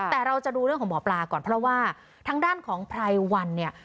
แต่เราจะดูเรื่องของหมอปลาก่อนเพราะว่าทางด้านของไพรวันเนี่ย